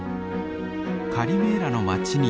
カリメーラの街に到着。